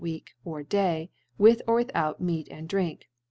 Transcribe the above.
* Week, or Day, with or without Meat and ' and Drink.'